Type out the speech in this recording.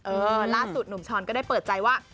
ล่าสุดหนุ่มช้อนก็ได้เปิดใจว่า